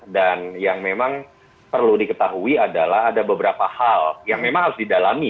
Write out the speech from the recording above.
dan yang memang perlu diketahui adalah ada beberapa hal yang memang harus didalami ya